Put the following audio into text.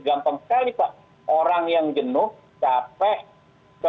gampang sekali pak orang yang jenuh capek nggak bisa berhubungan dengan orang lain